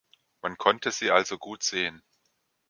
Man konnte sie also gut sehen.